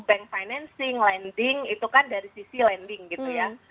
sampaikan itu bank financing lending itu kan dari sisi lending gitu ya